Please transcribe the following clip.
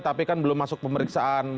tapi kan belum masuk pemeriksaan